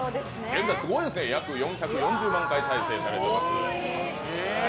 すごいですね、約４４０万回再生されてます。